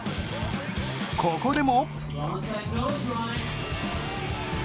ここでも。